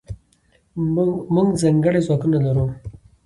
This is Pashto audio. موږځنکړي ځواکونه نلرو